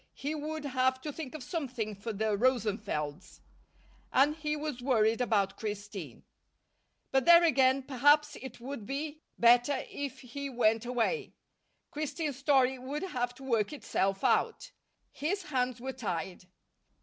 He would have to think of something for the Rosenfelds. And he was worried about Christine. But there again, perhaps it would be better if he went away. Christine's story would have to work itself out. His hands were tied.